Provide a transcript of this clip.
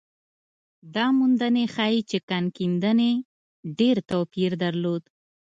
دا موندنې ښيي چې کان کیندنې ډېر توپیر درلود.